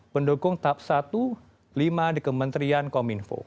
pendukung tahap satu lima di kementerian kominfo